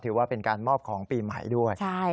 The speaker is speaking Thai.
ถือว่าเป็นการมอบของปีใหม่ด้วย